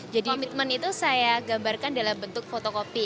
komitmen itu saya gambarkan dalam bentuk fotokopi